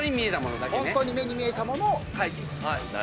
ホントに目に見えたものを描いていただきます。